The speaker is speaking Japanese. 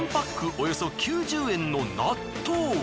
およそ９０円の納豆は。